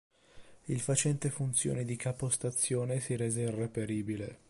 Il facente funzioni di capostazione si rese irreperibile.